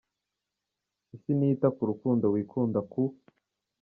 Isi ntiyita ku rukundo wikunda ku.